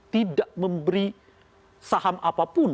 tidak memberi saham apapun